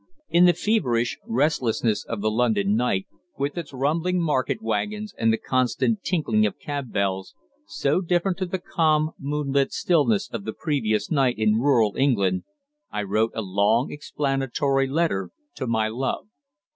In the feverish restlessness of the London night, with its rumbling market wagons and the constant tinkling of cab bells, so different to the calm, moonlit stillness of the previous night in rural England, I wrote a long explanatory letter to my love.